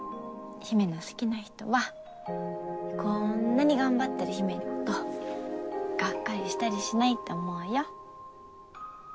陽芽の好きな人はこんなに頑張ってる陽芽のことがっかりしたりしないと思うよ